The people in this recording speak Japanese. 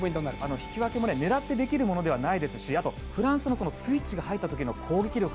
引き分けは狙ってできるものではないですしフランスのスイッチが入った時の攻撃力。